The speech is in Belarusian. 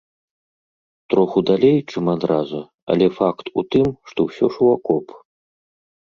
Троху далей, чым адразу, але факт у тым, што ўсё ж у акоп.